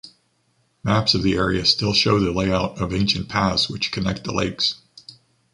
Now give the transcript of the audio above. Maps of the area still show the layout of ancient paths which connect the lakes.